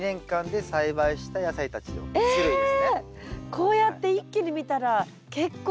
こうやって一気に見たら結構育てましたね。